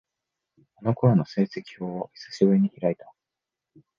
あの頃の成績表を、久しぶりに開いた。